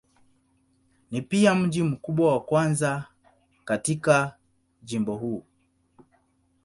Ni pia mji mkubwa wa kwanza katika jimbo huu.